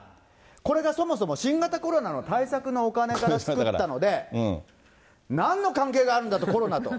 これがそもそも新型コロナの対策のお金から作ったので、なんの関係があるんだと、コロナと。